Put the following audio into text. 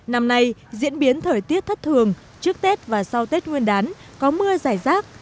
năm nay diễn biến thời tiết thất thường trước tết và sau tết nguyên đán có mưa giải rác